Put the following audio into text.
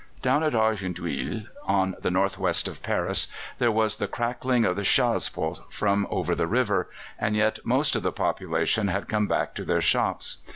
Down at Argenteuil, on the north west of Paris, there was the crackling of the chasse pot from over the river, and yet most of the population had come back to their shops.